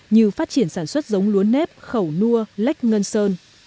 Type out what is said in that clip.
như phát triển sản xuất giống lúa nếp khẩu nua lách ngân sơn